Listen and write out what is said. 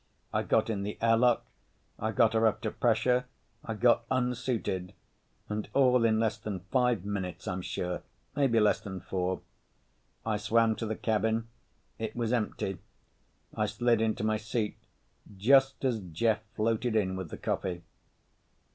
I got in the airlock, I got her up to pressure, I got unsuited—and all in less than five minutes, I'm sure. Maybe less than four. I swam to the cabin. It was empty. I slid into my seat just as Jeff floated in with the coffee.